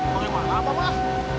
mau yang mana mbah